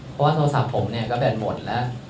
เพราะว่าโทรศัพท์ผมเนี่ยก็แบ่งหมดแล้ว